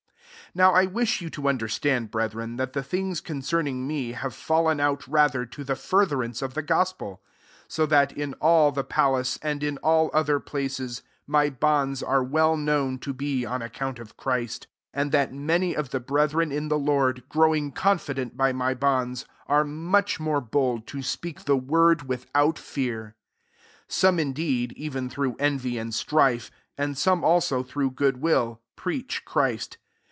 12 NOW I wish you to un derstand, brethren, that the things concerning me have fiU len out* rather to the furtJiW' ance of the gospel; 13 so that in all the palace, and in all other filaee9f my bonds are wefi i known to be on account oil Christ ; 14 and that many of the brethren in the Lord, grow ing confident by my bonds, are much more bold to speak the word without fear. 15 Some indeed, even through envy and strife, and some also through good will, preach Christ.